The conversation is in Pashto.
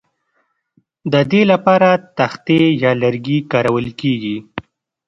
د دې لپاره تختې یا لرګي کارول کیږي